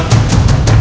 ketua ger prabu